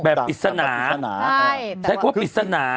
ปริศนาใช้คำว่าปริศนา